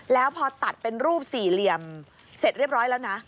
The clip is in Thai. แล้วพอตัดเป็นรูปสี่เหลี่ยมเสร็จเรียบร้อยแล้วนะ